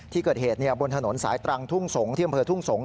ที่เกิดเหตุบนถนนสายตรังทุ่งสงศที่อำเภอทุ่งสงศ